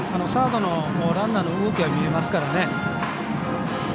サードランナーの動きは見えますからね。